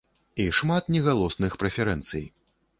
І шмат негалосных прэферэнцый.